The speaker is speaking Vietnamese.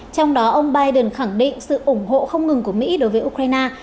trong đó ông biden khẳng định sự ủng hộ không ngừng của mỹ đối với ukraine